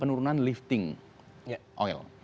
penurunan lifting oil